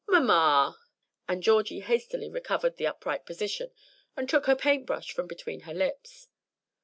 "Mamma!" And Georgie hastily recovered the upright position, and took her paint brush from between her lips.